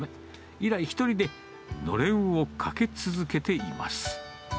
以来、１人でのれんを掛け続けています。